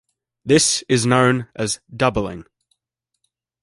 This is known as "doubling".